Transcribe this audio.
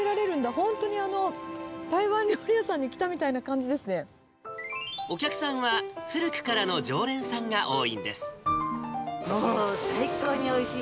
本当に台湾料理屋さんに来たみたお客さんは古くからの常連さもう最高においしい。